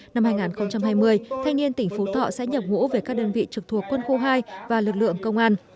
năm hai nghìn hai mươi thanh niên tỉnh phú thọ sẽ nhập ngũ về các đơn vị trực thuộc quân khu hai và lực lượng công an